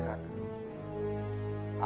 aku pasti bisa mengalahkan orang itu